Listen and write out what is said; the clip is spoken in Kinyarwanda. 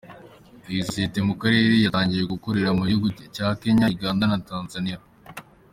Iyi sosiyete mu karere yatangiye gukorera mu bihugu nka Kenya, Uganda na Tanzania.